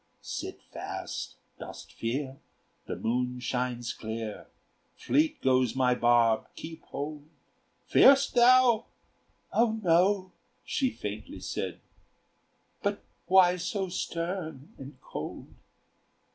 "Sit fast dost fear? The moon shines clear! Fleet goes my barb keep hold! Fear'st thou?" "O no!" she faintly said; "But why so stern and cold?